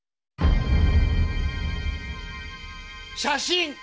写真！